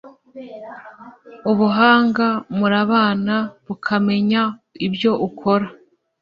ubuhanga murabana bukamenya ibyo ukora